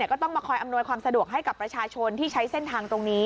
ก็ต้องมาคอยอำนวยความสะดวกให้กับประชาชนที่ใช้เส้นทางตรงนี้